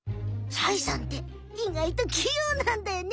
サイさんって意外ときようなんだよね！